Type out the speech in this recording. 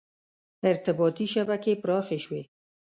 • ارتباطي شبکې پراخې شوې.